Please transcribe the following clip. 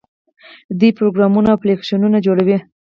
دوی پروګرامونه او اپلیکیشنونه جوړوي.